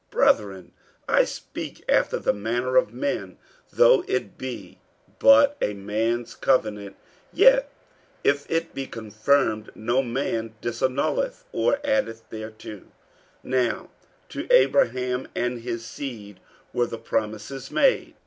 48:003:015 Brethren, I speak after the manner of men; Though it be but a man's covenant, yet if it be confirmed, no man disannulleth, or addeth thereto. 48:003:016 Now to Abraham and his seed were the promises made.